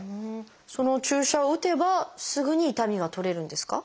その注射を打てばすぐに痛みが取れるんですか？